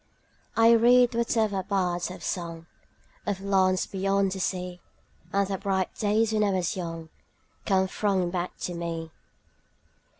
I read whatever bards have sung Of lands beyond the sea, 10 And the bright days when I was young Come thronging back to me.